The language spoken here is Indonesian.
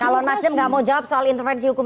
kalau nasdem nggak mau jawab soal intervensi hukum